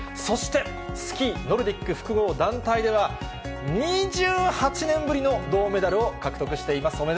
そしてスキーノルディック複合団体では、２８年ぶりの銅メダルを獲得しています。